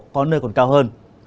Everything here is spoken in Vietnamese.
có nơi còn cao hơn